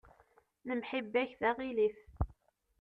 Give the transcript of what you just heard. Lemḥibba-k d aɣilif.